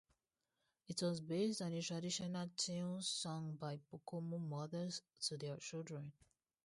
It was based on a traditional tune sung by Pokomo mothers to their children.